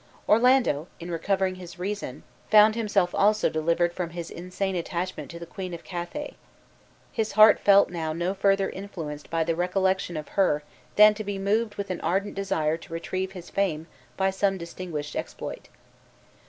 Orlando, in recovering his reason, found himself also delivered from his insane attachment to the queen of Cathay. His heart felt now no further influenced by the recollection of her than to be moved with an ardent desire to retrieve his fame by some distinguished exploit.